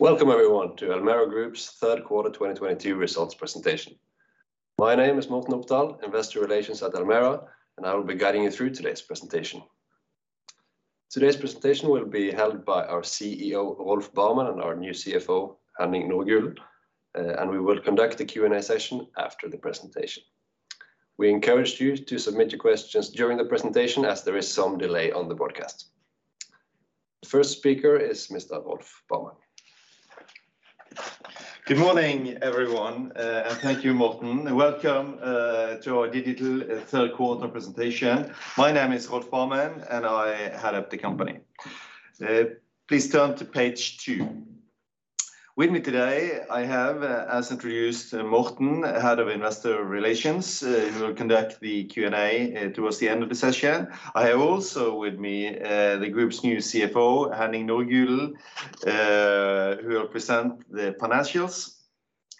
Welcome everyone to Elmera Group's third quarter 2022 results presentation. My name is Morten Opdal, Investor Relations at Elmera, and I will be guiding you through today's presentation. Today's presentation will be held by our CEO, Rolf Barmen, and our new CFO, Henning Nordgulen, and we will conduct a Q&A session after the presentation. We encourage you to submit your questions during the presentation as there is some delay on the broadcast. The first speaker is Mr. Rolf Barmen. Good morning, everyone, and thank you, Morten. Welcome to our digital third quarter presentation. My name is Rolf Barmen, and I head up the company. Please turn to page two. With me today, I have, as introduced, Morten Opdal, Head of Investor Relations, who will conduct the Q&A towards the end of the session. I have also with me the group's new CFO, Henning Nordgulen, who will present the financials.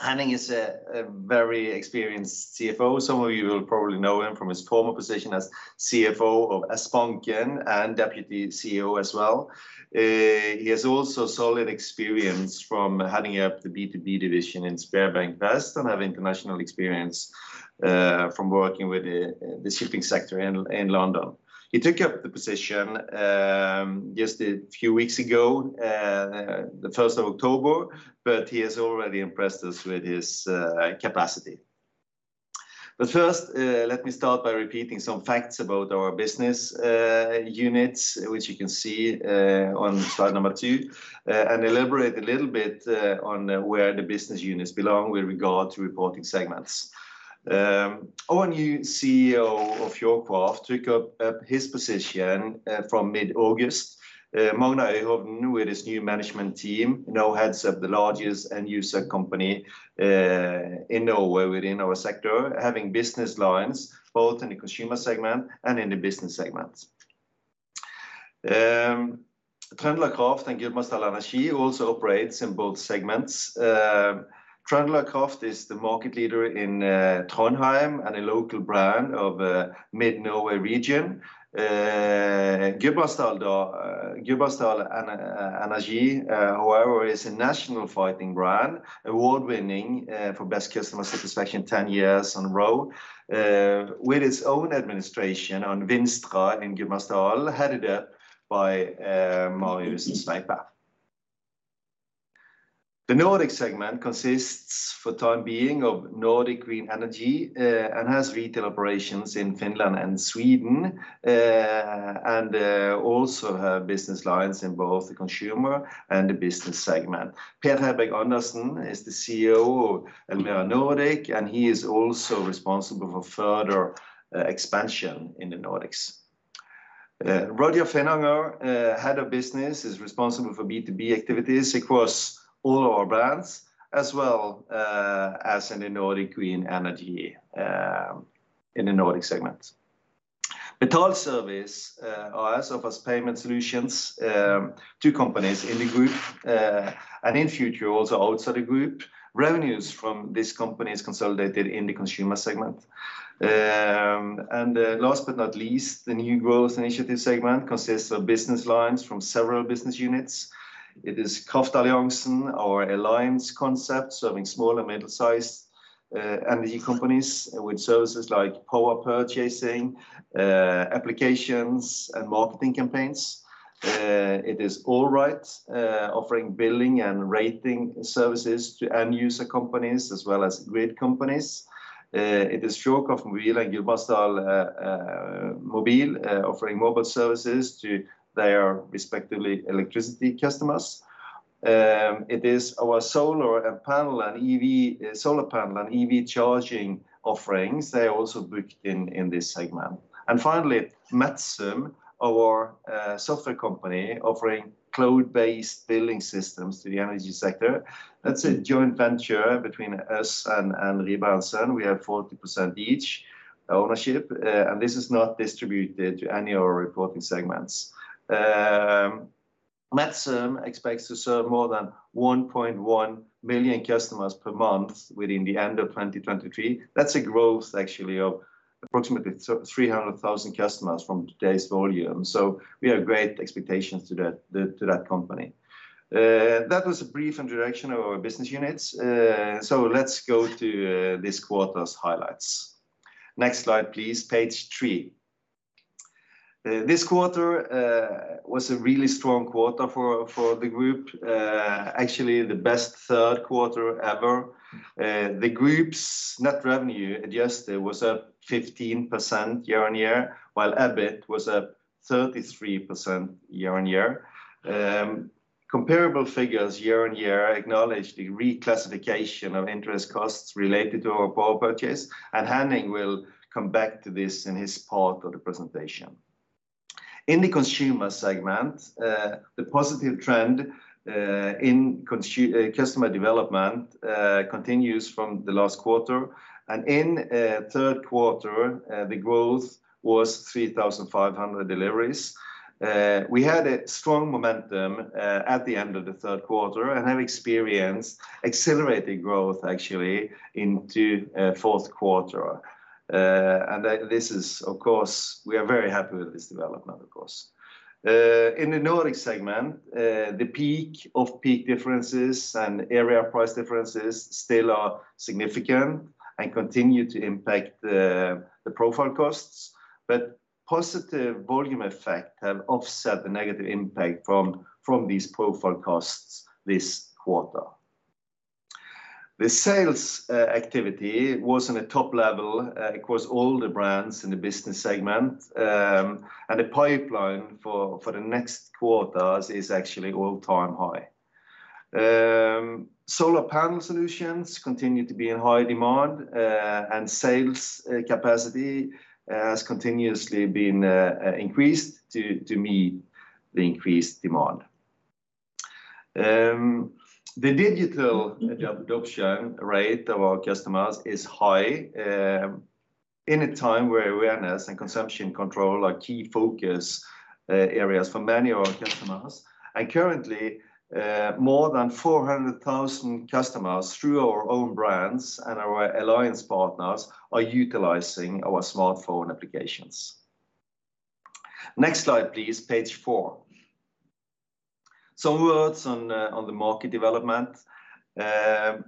Henning is a very experienced CFO. Some of you will probably know him from his former position as CFO of Sbanken and Deputy CEO as well. He has also solid experience from heading up the B2B division in Sparebanken Vest and have international experience from working with the shipping sector in London. He took up the position just a few weeks ago, the first of October, but he has already impressed us with his capacity. First, let me start by repeating some facts about our business units, which you can see on slide number two, and elaborate a little bit on where the business units belong with regard to reporting segments. Our new CEO of Fjordkraft took up his position from mid-August. Magnar Øyhovden, with his new management team, now heads up the largest end user company in Norway within our sector, having business lines both in the consumer segment and in the business segments. TrøndelagKraft and Gudbrandsdal Energi also operates in both segments. TrøndelagKraft is the market leader in Trondheim and a local brand of mid-Norway region. Gudbrandsdal Energi, however, is a national fighting brand, award-winning for best customer satisfaction 10 years in a row, with its own administration on Vinstra in Gudbrandsdal, headed up by Marius Øxenbjerg. The Nordic segment consists, for the time being, of Nordic Green Energy, and has retail operations in Finland and Sweden. Also has business lines in both the consumer and the business segment. Per Heiberg-Andersen is the CEO of Elmera Nordic, and he is also responsible for further expansion in the Nordics. Roger Finnanger, Head of Business, is responsible for B2B activities across all our brands, as well as in the Nordic Green Energy in the Nordic segment. Betalingsservice offers payment solutions to companies in the group, and in the future also outside the group. Revenues from this company is consolidated in the consumer segment. Last but not least, the new growth initiative segment consists of business lines from several business units. It is Kraftalliansen, our alliance concept, serving small and middle-sized energy companies with services like power purchasing, applications, and marketing campaigns. It is AllRate, offering billing and rating services to end user companies as well as grid companies. It is Fjordkraft Mobil and Gudbrandsdal Energi Mobil, offering mobile services to their respective electricity customers. It is our solar panel and EV charging offerings. They are also booked in this segment. Finally, Metzum, our software company offering cloud-based billing systems to the energy sector. That's a joint venture between us and Rieber & Søn. We have 40% each ownership. This is not distributed to any of our reporting segments. Metzum expects to serve more than 1.1 million customers per month by the end of 2023. That's a growth actually of approximately 300,000 customers from today's volume. We have great expectations to that company. That was a brief introduction of our business units. Let's go to this quarter's highlights. Next slide, please. Page three. This quarter was a really strong quarter for the group. Actually, the best third quarter ever. The group's net revenue adjusted was up 15% year-on-year, while EBIT was up 33% year-on-year. Comparabl figures year-on-year account for the reclassification of interest costs related to our power purchase, and Henning will come back to this in his part of the presentation. In the consumer segment, the positive trend in customer development continues from the last quarter. In third quarter, the growth was 3,500 deliveries. We had a strong momentum at the end of the third quarter and have experienced accelerated growth actually into fourth quarter. This is, of course, we are very happy with this development, of course. In the Nordic segment, the peak of peak differences and area price differences still are significant and continue to impact the profile costs. Positive volume effect have offset the negative impact from these profile costs this quarter. The sales activity was in a top level across all the brands in the business segment. The pipeline for the next quarters is actually all-time high. Solar panel solutions continue to be in high demand, and sales capacity has continuously been increased to meet the increased demand. The digital adoption rate of our customers is high, in a time where awareness and consumption control are key focus areas for many of our customers. Currently, more than 400,000 customers through our own brands and our alliance partners are utilizing our smartphone applications. Next slide, please. Page four. Some words on the market development.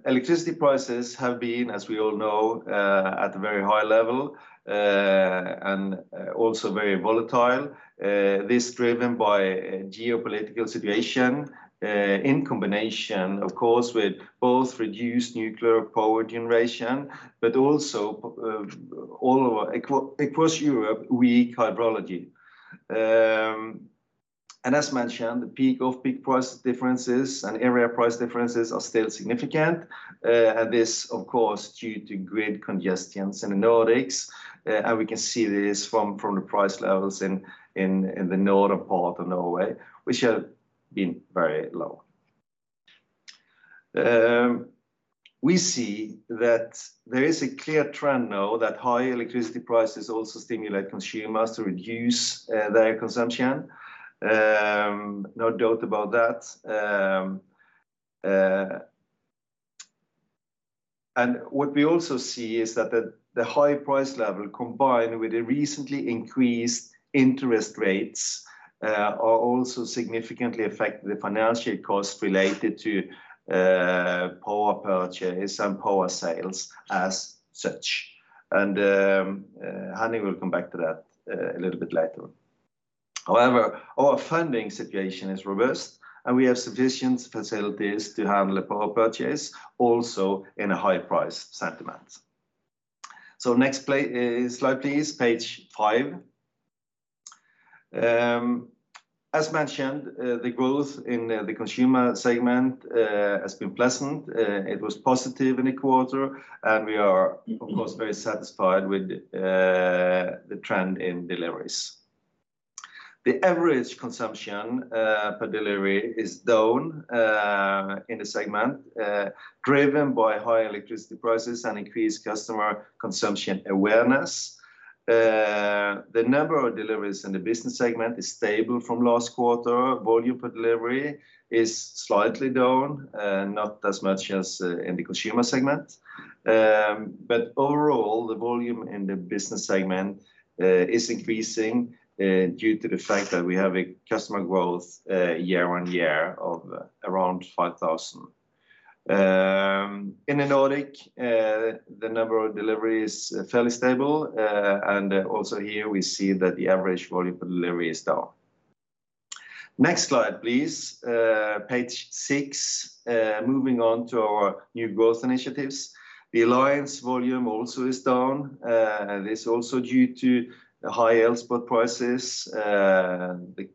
Electricity prices have been, as we all know, at a very high level, and also very volatile. This driven by geopolitical situation, in combination, of course, with both reduced nuclear power generation, but also across Europe, weak hydrology. As mentioned, the peak of peak price differences and area price differences are still significant. This of course due to grid congestions in the Nordics, and we can see this from the price levels in the northern part of Norway, which have been very low. We see that there is a clear trend now that high electricity prices also stimulate consumers to reduce their consumption. No doubt about that. What we also see is that the high price level combined with the recently increased interest rates are also significantly affect the financial costs related to power purchase and power sales as such. Henning will come back to that a little bit later. However, our funding situation is reversed, and we have sufficient facilities to handle the power purchase also in a high-price environment. Next slide, please. Page five. As mentioned, the growth in the consumer segment has been pleasant. It was positive in the quarter, and we are of course very satisfied with the trend in deliveries. The average consumption per delivery is down in the segment, driven by high electricity prices and increased customer consumption awareness. The number of deliveries in the business segment is stable from last quarter. Volume per delivery is slightly down, not as much as in the consumer segment. Overall, the volume in the business segment is increasing due to the fact that we have a customer growth year-over-year of around 5,000. In the Nordics, the number of deliveries fairly stable. Also here we see that the average volume per delivery is down. Next slide, please. Page six. Moving on to our new growth initiatives. The alliance volume also is down. This also due to high spot prices. The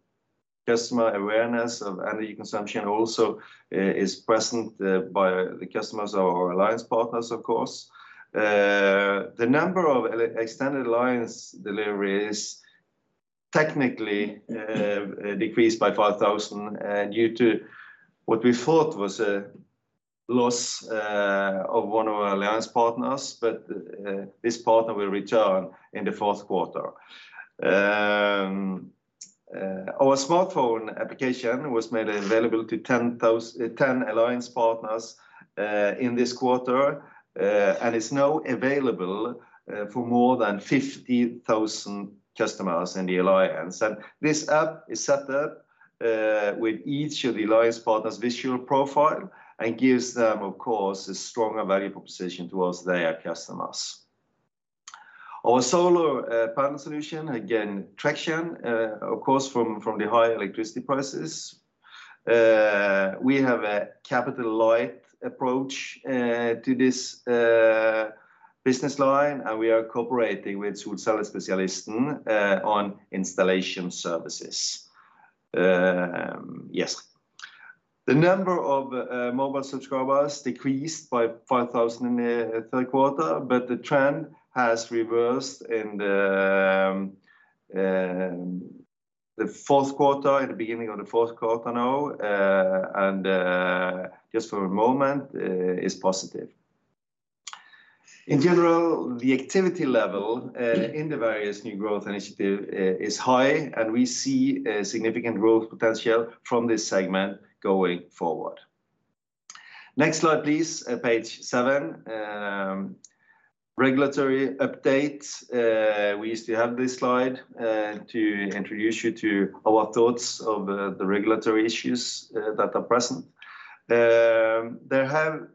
customer awareness of energy consumption also is present by the customers of our alliance partners, of course. The number of extended alliance deliveries technically decreased by 5,000 due to what we thought was a loss of one of our alliance partners. This partner will return in the fourth quarter. Our smartphone application was made available to 10 alliance partners in this quarter. Is now available for more than 50,000 customers in the alliance. This app is set up with each of the alliance partners' visual profile and gives them, of course, a stronger value proposition towards their customers. Our solar panel solution, gaining traction, of course, from the high electricity prices. We have a capital light approach to this business line, and we are cooperating with Solcellespesialisten on installation services. The number of mobile subscribers decreased by 5,000 in the third quarter, but the trend has reversed in the fourth quarter, at the beginning of the fourth quarter now, and the momentum is positive. In general, the activity level in the various new growth initiative is high, and we see a significant growth potential from this segment going forward. Next slide, please. Page seven. Regulatory update. We used to have this slide to introduce you to our thoughts of the regulatory issues that are present. There have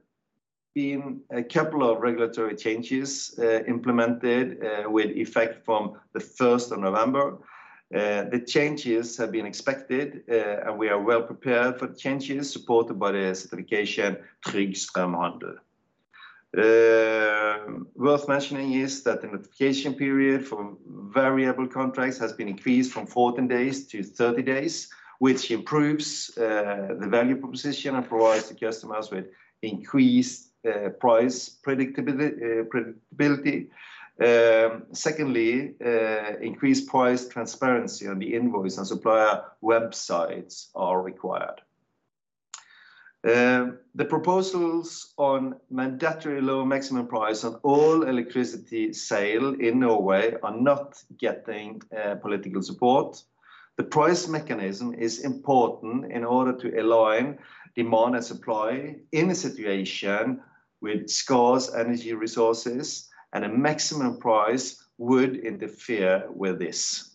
been a couple of regulatory changes implemented with effect from the 1st of November. The changes have been expected and we are well prepared for the changes supported by the certification Trygg Strømhandel. Worth mentioning is that the notification period for variable contracts has been increased from 14 days to 30 days, which improves the value proposition and provides the customers with increased price predictability. Secondly, increased price transparency on the invoice and supplier websites are required. The proposals on mandatory low maximum price on all electricity sale in Norway are not getting political support. The price mechanism is important in order to align demand and supply in a situation with scarce energy resources, and a maximum price would interfere with this.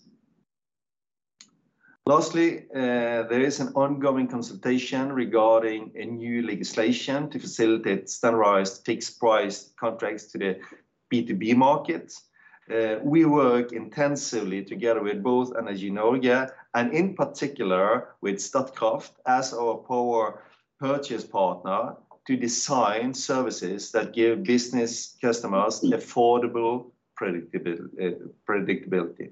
Lastly, there is an ongoing consultation regarding a new legislation to facilitate standardized fixed price contracts to the B2B market. We work intensively together with both Energi Norge, and in particular with Statkraft as our power purchase partner to design services that give business customers affordable predictability.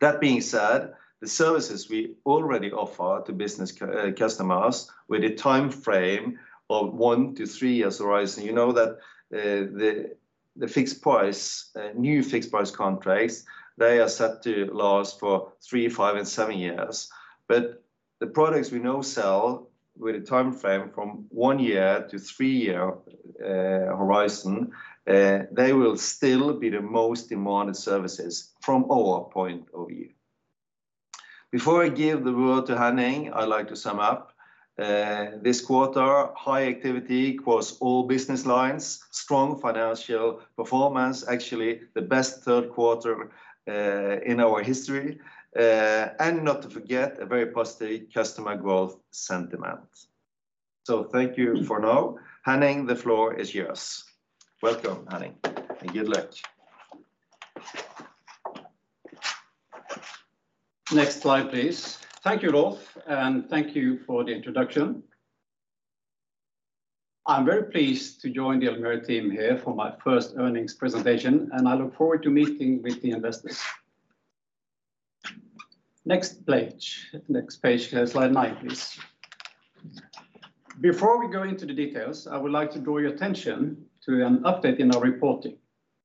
That being said, the services we already offer to business customers with a timeframe of one to three years horizon, you know, the new fixed price contracts, they are set to last for three, five and seven years. The products we now sell with a timeframe from one-year to three-year horizon, they will still be the most demanded services from our point of view. Before I give the word to Henning, I'd like to sum up. This quarter, high activity across all business lines, strong financial performance, actually the best third quarter in our history. Not to forget, a very positive customer growth sentiment. Thank you for now. Henning, the floor is yours. Welcome, Henning, and good luck. Next slide, please. Thank you, Rolf, and thank you for the introduction. I'm very pleased to join the Elmera team here for my first earnings presentation, and I look forward to meeting with the investors. Next page. Next page. Slide nine, please. Before we go into the details, I would like to draw your attention to an update in our reporting.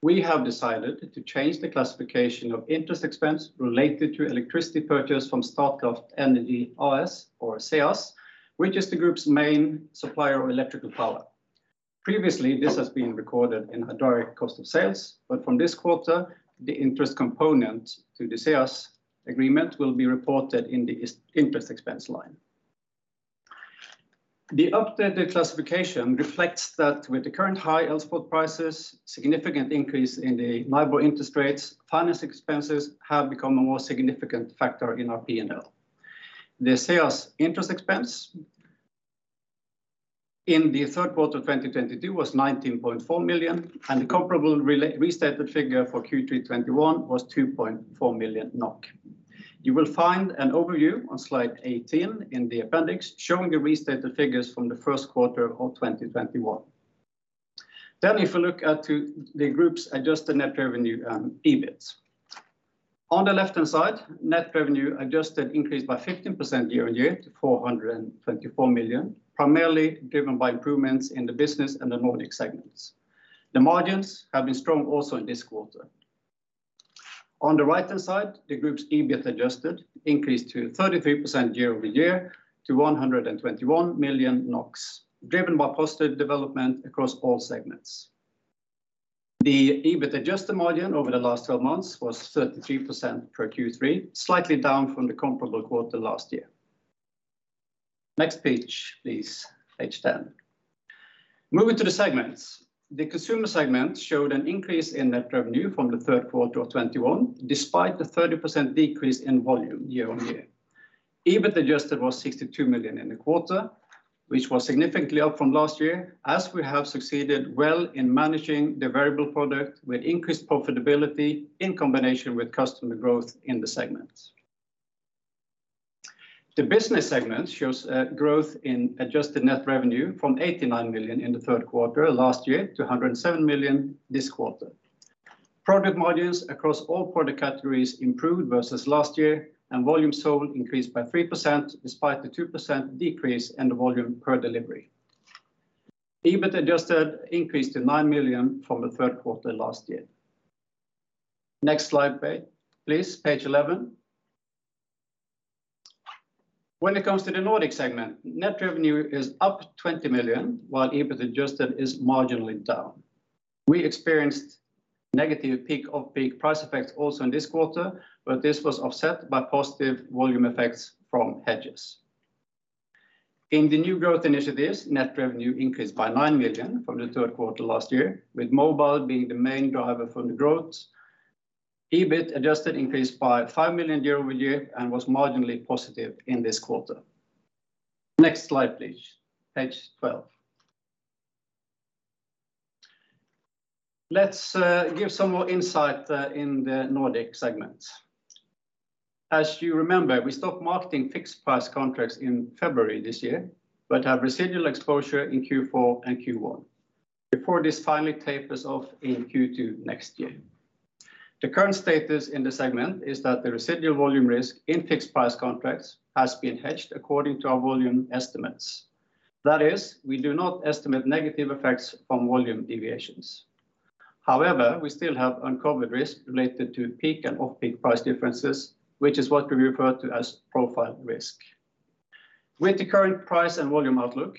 We have decided to change the classification of interest expense related to electricity purchase from Statkraft AS or CEAS, which is the group's main supplier of electrical power. Previously, this has been recorded in a direct cost of sales, but from this quarter, the interest component to the CEAS agreement will be reported in the interest expense line. The updated classification reflects that with the current high Elspot prices, significant increase in the NIBOR interest rates, finance expenses have become a more significant factor in our P&L. The Group's interest expense in the third quarter of 2022 was 19.4 million, and the comparable restated figure for Q3 2021 was 2.4 million NOK. You will find an overview on slide 18 in the appendix showing the restated figures from the first quarter of 2021. If you look at the Group's adjusted net revenue and EBIT. On the left-hand side, net revenue adjusted increased by 15% year-on-year to 424 million, primarily driven by improvements in the business and the Nordic segments. The margins have been strong also in this quarter. On the right-hand side, the group's EBIT adjusted increased to 33% year-over-year to 121 million NOK, driven by positive development across all segments. The EBIT adjusted margin over the last twelve months was 33% for Q3, slightly down from the comparable quarter last year. Next page, please. Page ten. Moving to the segments. The consumer segment showed an increase in net revenue from the third quarter of 2021, despite the 30% decrease in volume year-on-year. EBIT adjusted was 62 million in the quarter, which was significantly up from last year as we have succeeded well in managing the variable product with increased profitability in combination with customer growth in the segment. The business segment shows growth in adjusted net revenue from 89 million in the third quarter last year to 107 million this quarter. Product margins across all product categories improved versus last year, and volume sold increased by 3%, despite the 2% decrease in the volume per delivery. EBIT adjusted increased to 9 million from the third quarter last year. Next slide, please. Page 11. When it comes to the Nordic segment, net revenue is up 20 million, while EBIT adjusted is marginally down. We experienced negative peak off-peak price effects also in this quarter, but this was offset by positive volume effects from hedges. In the new growth initiatives, net revenue increased by 9 million from the third quarter last year, with mobile being the main driver for the growth. EBIT adjusted increased by 5 million year-over-year and was marginally positive in this quarter. Next slide, please. Page 12. Let's give some more insight in the Nordic segments. As you remember, we stopped marketing fixed price contracts in February this year, but have residual exposure in Q4 and Q1 before this finally tapers off in Q2 next year. The current status in the segment is that the residual volume risk in fixed price contracts has been hedged according to our volume estimates. That is, we do not estimate negative effects from volume deviations. However, we still have uncovered risk related to peak and off-peak price differences, which is what we refer to as profile risk. With the current price and volume outlook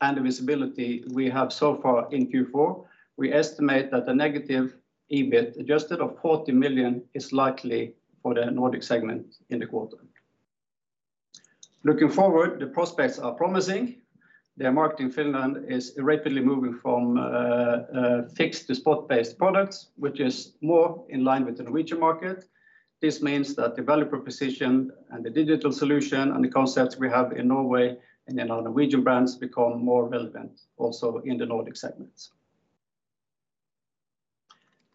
and the visibility we have so far in Q4, we estimate that a negative EBIT adjusted of 40 million is likely for the Nordic segment in the quarter. Looking forward, the prospects are promising. Their market in Finland is rapidly moving from fixed to spot-based products, which is more in line with the Norwegian market. This means that the value proposition and the digital solution and the concepts we have in Norway and in our Norwegian brands become more relevant also in the Nordic segments.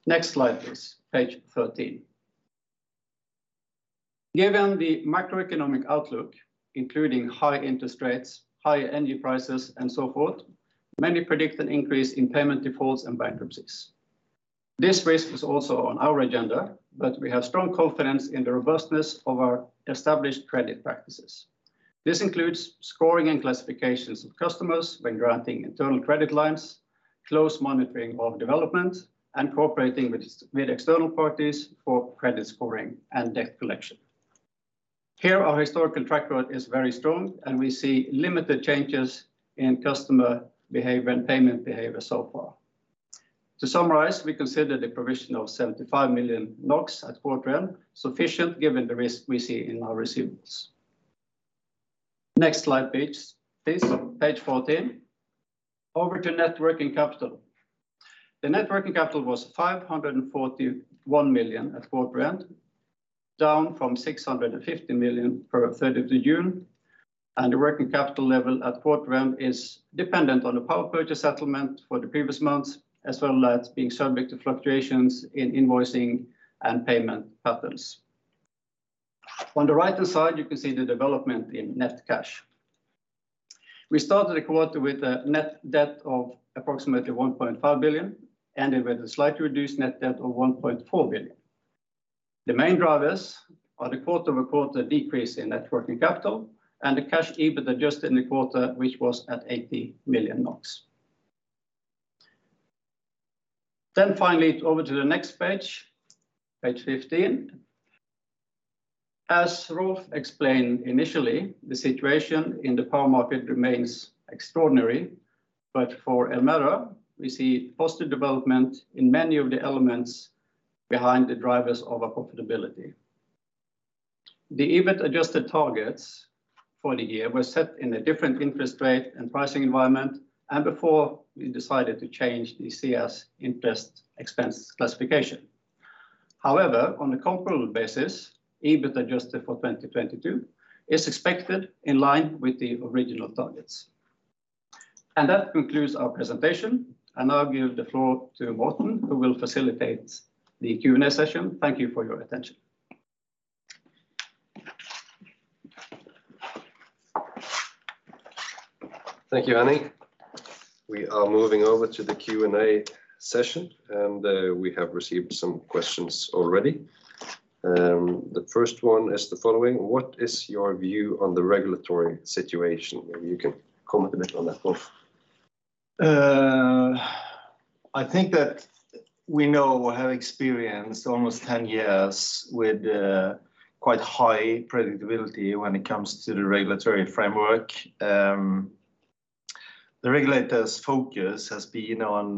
Next slide, please. Page 13. Given the macroeconomic outlook, including high interest rates, high energy prices, and so forth, many predict an increase in payment defaults and bankruptcies. This risk is also on our agenda, but we have strong confidence in the robustness of our established credit practices. This includes scoring and classifications of customers when granting internal credit lines, close monitoring of development, and cooperating with external parties for credit scoring and debt collection. Here, our historical track record is very strong, and we see limited changes in customer behavior and payment behavior so far. To summarize, we consider the provision of 75 million NOK at quarter-end sufficient given the risk we see in our receivables. Next slide, please. Page 14. Over to net working capital. The net working capital was 541 million at quarter-end, down from 650 million per 30th of June, and the working capital level at quarter-end is dependent on the power purchase settlement for the previous months, as well as being subject to fluctuations in invoicing and payment patterns. On the right-hand side, you can see the development in net cash. We started the quarter with a net debt of approximately 1.5 billion, ended with a slightly reduced net debt of 1.4 billion. The main drivers are the quarter-over-quarter decrease in net working capital and the cash EBIT adjusted in the quarter, which was at 80 million NOK. Finally, over to the next page 15. As Rolf explained initially, the situation in the power market remains extraordinary, but for Elmera, we see positive development in many of the elements behind the drivers of our profitability. The EBIT adjusted targets for the year were set in a different interest rate and pricing environment and before we decided to change the cash interest expense classification. However, on a comparable basis, EBIT adjusted for 2022 is expected in line with the original targets. That concludes our presentation. I'll give the floor to Morten, who will facilitate the Q&A session. Thank you for your attention. Thank you, Henning Nordgulen. We are moving over to the Q&A session, and we have received some questions already. The first one is the following: What is your view on the regulatory situation? Maybe you can comment a bit on that, Rolf Barmen. I think that we know or have experienced almost 10 years with quite high predictability when it comes to the regulatory framework. The regulators' focus has been on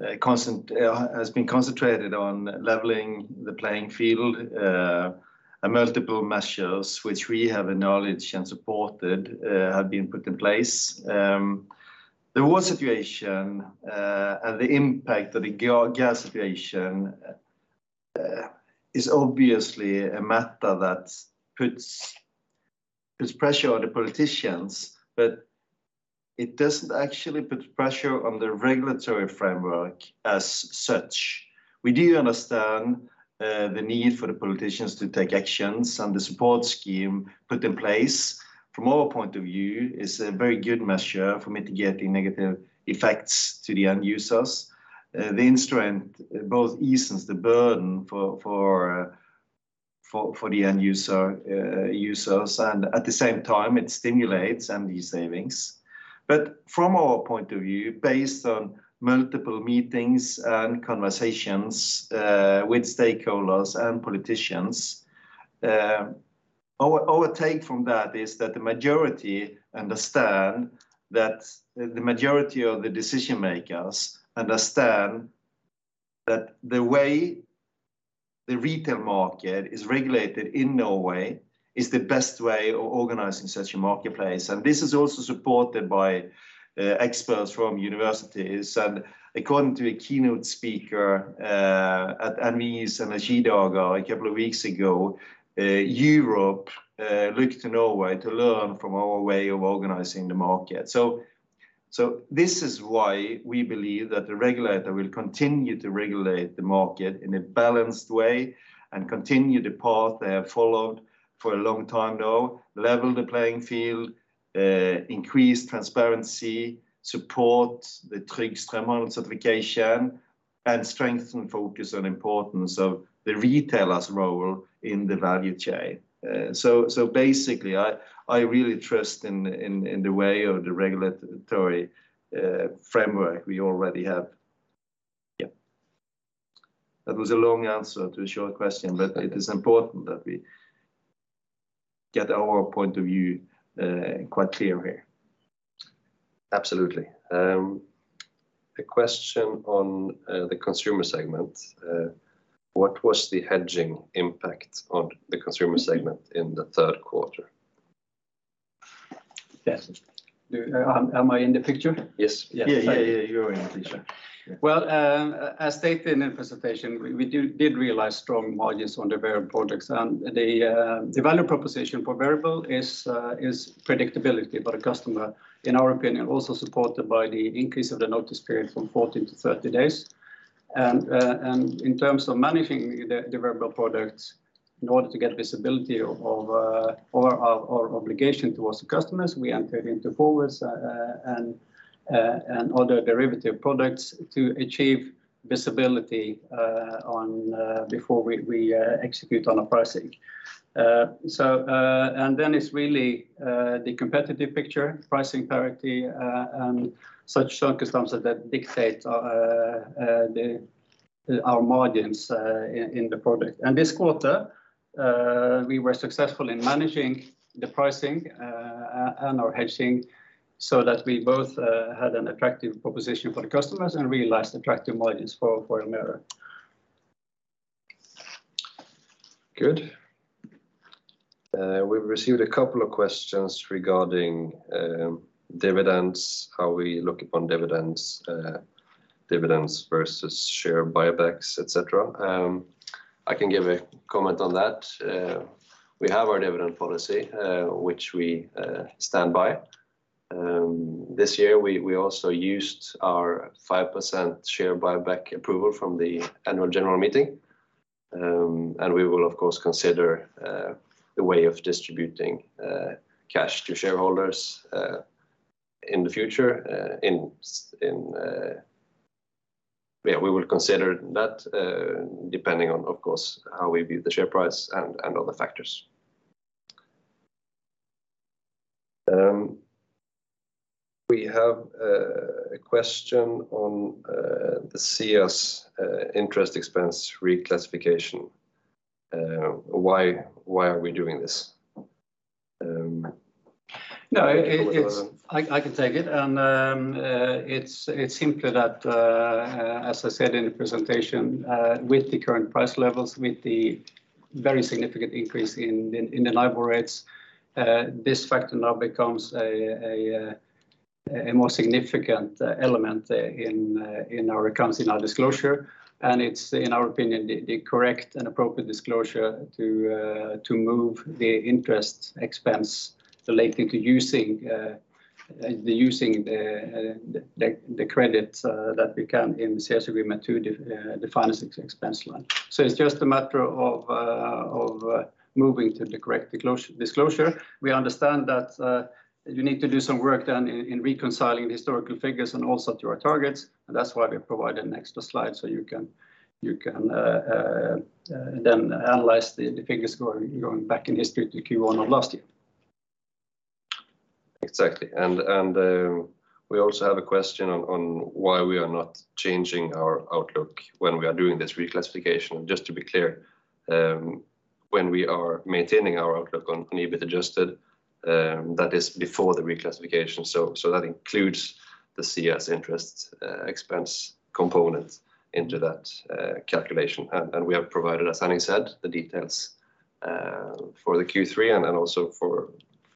has been concentrated on leveling the playing field. Multiple measures, which we have acknowledged and supported, have been put in place. The war situation and the impact of the gas situation is obviously a matter that puts pressure on the politicians, but it doesn't actually put pressure on the regulatory framework as such. We do understand the need for the politicians to take actions, and the support scheme put in place from our point of view is a very good measure for mitigating negative effects to the end users. The instrument both eases the burden for the end users and at the same time, it stimulates energy savings. From our point of view, based on multiple meetings and conversations with stakeholders and politicians. Our take from that is that the majority of the decision-makers understand that the way the retail market is regulated in Norway is the best way of organizing such a marketplace. This is also supported by experts from universities. According to a keynote speaker at NHH's Energidager a couple of weeks ago, Europe looks to Norway to learn from our way of organizing the market. This is why we believe that the regulator will continue to regulate the market in a balanced way and continue the path they have followed for a long time now, level the playing field, increase transparency, support the Trygg Strømhandel certification, and strengthen focus on importance of the retailer's role in the value chain. Basically, I really trust in the way of the regulatory framework we already have. Yeah. That was a long answer to a short question, but it is important that we get our point of view quite clear here. Absolutely. A question on the consumer segment. What was the hedging impact on the consumer segment in the third quarter? Yes. Am I in the picture? Yes. Yeah. Yeah, yeah, you're in the picture. Well, as stated in presentation, we did realize strong margins on the variable products. The value proposition for variable is predictability for the customer, in our opinion, also supported by the increase of the notice period from 14 to 30 days. In terms of managing the variable products, in order to get visibility of our obligation towards the customers, we entered into forwards and other derivative products to achieve visibility before we execute on a pricing. It's really the competitive picture, pricing parity, and such circumstances that dictate our margins in the product. This quarter, we were successful in managing the pricing and our hedging, so that we both had an attractive proposition for the customers and realized attractive margins for Elmera. Good. We've received a couple of questions regarding dividends, how we look upon dividends versus share buybacks, et cetera. I can give a comment on that. We have our dividend policy, which we stand by. This year we also used our 5% share buyback approval from the annual general meeting. We will of course consider the way of distributing cash to shareholders in the future. Yeah, we will consider that, depending on, of course, how we view the share price and other factors. We have a question on the CEAS interest expense reclassification. Why are we doing this? No, it's. Do you want to- I can take it. It's simply that, as I said in the presentation, with the current price levels, with the very significant increase in the NIBOR rates, this factor now becomes a more significant element in our accounts, in our disclosure. It's, in our opinion, the correct and appropriate disclosure to move the interest expense related to using the credits that we can in the sales agreement to the finance expense line. It's just a matter of moving to the correct disclosure. We understand that you need to do some work then in reconciling the historical figures and also to our targets, and that's why we provided an extra slide, so you can then analyze the figures going back in history to Q1 of last year. Exactly. We also have a question on why we are not changing our outlook when we are doing this reclassification. Just to be clear, when we are maintaining our outlook on EBIT adjusted, that is before the reclassification. That includes the lease interest expense component into that calculation. We have provided, as Henning said, the details for the Q3 and then also for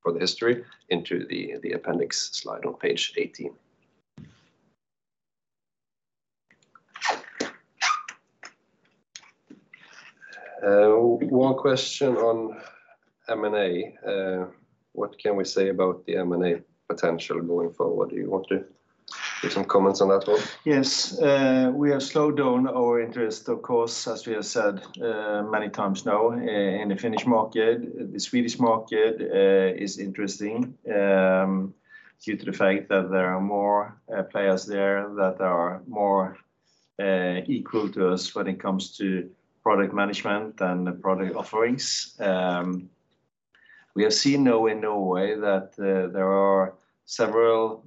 the history into the appendix slide on page 18. One question on M&A. What can we say about the M&A potential going forward? Do you want to give some comments on that one? Yes. We have slowed down our interest, of course, as we have said, many times now in the Finnish market. The Swedish market is interesting due to the fact that there are more players there that are more equal to us when it comes to product management and the product offerings. We have seen now in Norway that there are several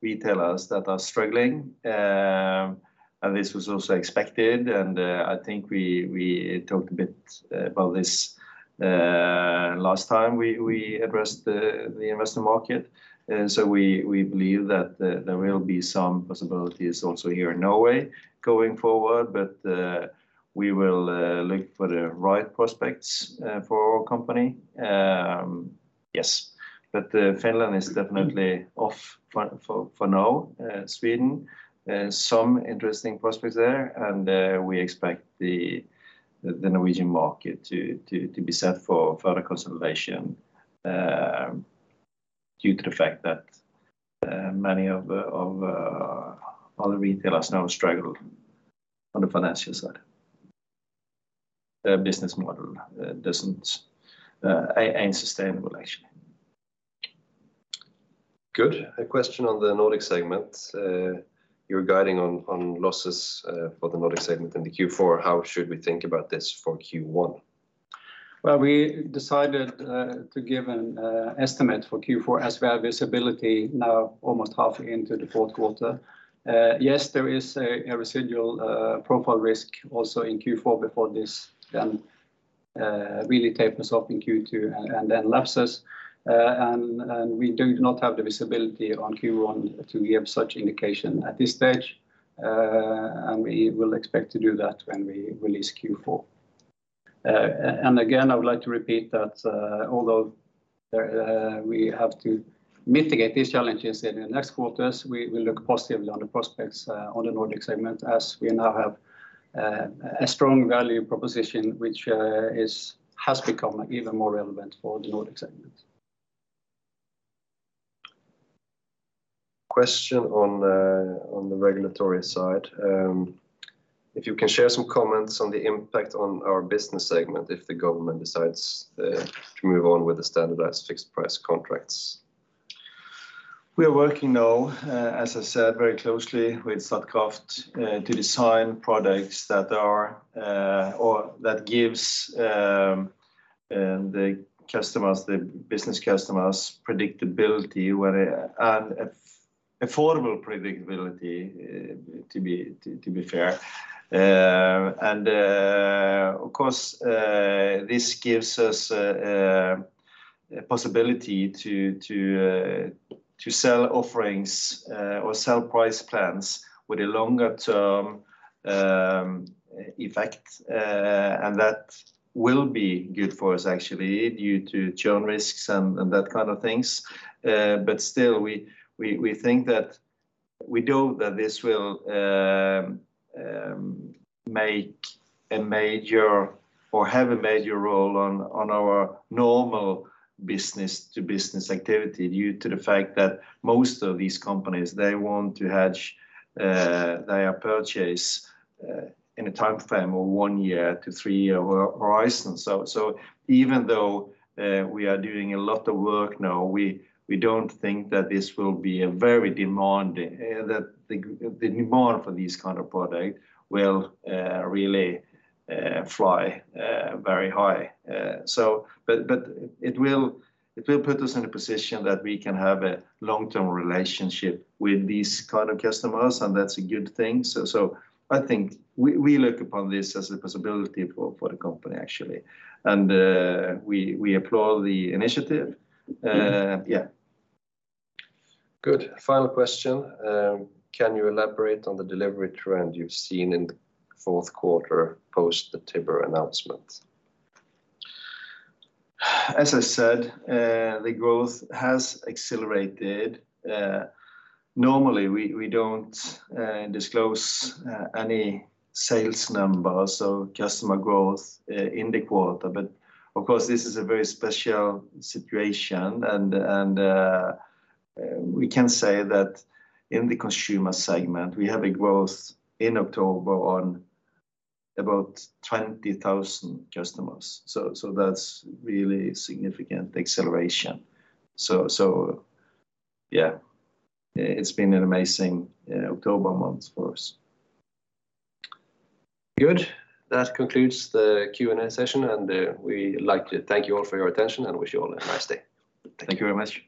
retailers that are struggling. This was also expected, and I think we talked a bit about this last time we addressed the investor market. We believe that there will be some possibilities also here in Norway going forward, but we will look for the right prospects for our company. Yes, but Finland is definitely off for now. Sweden, some interesting prospects there. We expect the Norwegian market to be set for further consolidation, due to the fact that many other retailers now struggle on the financial side. Their business model ain't sustainable actually. Good. A question on the Nordic segment. You're guiding on losses for the Nordic segment in the Q4. How should we think about this for Q1? Well, we decided to give an estimate for Q4 as we have visibility now almost halfway into the fourth quarter. Yes, there is a residual profile risk also in Q4 before this really tapers off in Q2 and then lapses. We do not have the visibility on Q1 to give such indication at this stage. We will expect to do that when we release Q4. I would like to repeat that, although there we have to mitigate these challenges in the next quarters, we look positively on the prospects on the Nordic segment as we now have a strong value proposition, which has become even more relevant for the Nordic segment. Question on the regulatory side. If you can share some comments on the impact on our business segment if the government decides to move on with the standardized fixed price contracts. We are working now, as I said, very closely with Statkraft to design products that are or that gives the customers, the business customers predictability and affordable predictability, to be fair. Of course, this gives us a possibility to sell offerings or sell price plans with a longer term effect. That will be good for us actually due to churn risks and that kind of things. Still, we think that we know that this will make a major or have a major role on our normal business-to-business activity due to the fact that most of these companies, they want to hedge their purchase in a timeframe of one year to three-year horizon. Even though we are doing a lot of work now, we don't think that the demand for these kind of product will really fly very high. It will put us in a position that we can have a long-term relationship with these kind of customers, and that's a good thing. I think we look upon this as a possibility for the company actually, and we applaud the initiative. Yeah. Good. Final question. Can you elaborate on the delivery trend you've seen in the fourth quarter post the Tibber announcement? As I said, the growth has accelerated. Normally we don't disclose any sales numbers or customer growth in the quarter, but of course this is a very special situation, we can say that in the consumer segment we have a growth in October of about 20,000 customers. That's really significant acceleration. Yeah, it's been an amazing October month for us. Good. That concludes the Q&A session, and we like to thank you all for your attention and wish you all a nice day. Thank you very much.